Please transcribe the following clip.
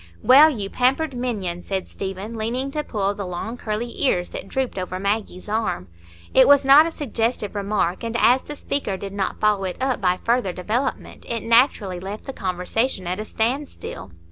"Well, you pampered minion!" said Stephen, leaning to pull the long curly ears that drooped over Maggie's arm. It was not a suggestive remark, and as the speaker did not follow it up by further development, it naturally left the conversation at a standstill.